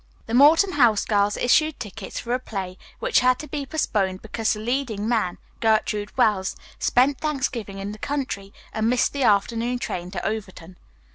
The Morton House girls issued tickets for a play, which had to be postponed because the leading man (Gertrude Wells) spent Thanksgiving in the country and missed the afternoon train to Overton.